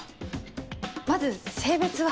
まず性別は。